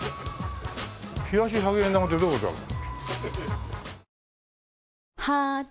冷やし百円玉ってどういう事だろう？